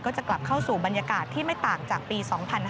จะกลับเข้าสู่บรรยากาศที่ไม่ต่างจากปี๒๕๕๙